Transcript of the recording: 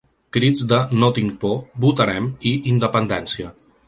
Crits de ‘No tinc por’, ‘Votarem!’ i ‘Independència’.